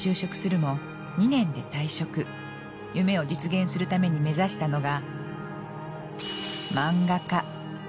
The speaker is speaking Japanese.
夢を実現するために目指したのが。